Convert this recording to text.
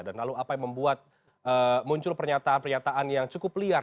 dan lalu apa yang membuat muncul pernyataan pernyataan yang cukup liar